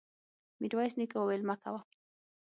ميرويس نيکه وويل: مه کوه!